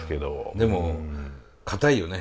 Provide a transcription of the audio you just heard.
でも固いよね